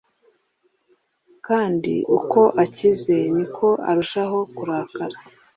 kandi uko akize, ni ko arushaho kurakara